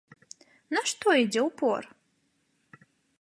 На што ідзе ўпор?